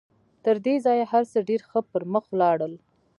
تر دې ځایه هر څه ډېر ښه پر مخ ولاړل